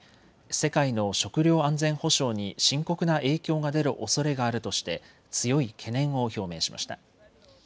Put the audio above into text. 世界の食料安全保障に深刻な影響が出るおそれがあるとして強い懸念を表明しました。